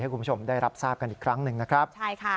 คุณผู้ชมได้รับทราบกันอีกครั้งหนึ่งนะครับใช่ค่ะ